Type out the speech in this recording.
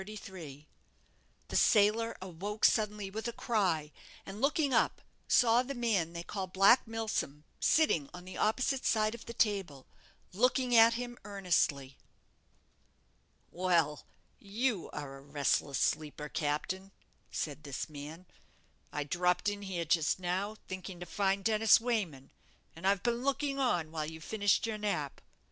The sailor awoke suddenly with a cry, and, looking up, saw the man they called Black Milsom sitting on the opposite side of the table, looking at him earnestly. "Well, you are a restless sleeper, captain!" said this man: "I dropped in here just now, thinking to find Dennis Wayman, and I've been looking on while you finished your nap.